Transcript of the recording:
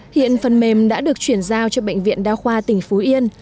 hiện phần mềm đã được chuyển giao cho bệnh viện đa khoa tỉnh phú yên